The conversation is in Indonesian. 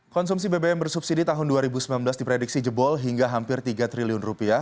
konsumsi bbm bersubsidi tahun dua ribu sembilan belas diprediksi jebol hingga hampir rp tiga triliun